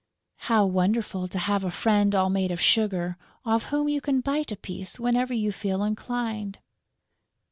How wonderful to have a friend all made of sugar, off whom you can bite a piece whenever you feel inclined!